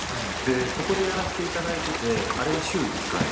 そこでやらせていただいててあれは週１回。